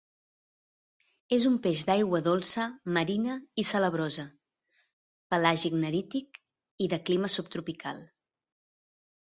És un peix d'aigua dolça, marina i salabrosa; pelàgic-nerític i de clima subtropical.